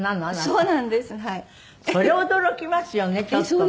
それ驚きますよねちょっとね。